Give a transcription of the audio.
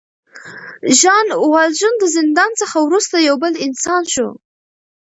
ژان والژان د زندان څخه وروسته یو بل انسان شو.